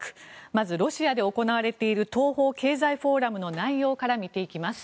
まずロシアで行われている東方経済フォーラムの内容から見ていきます。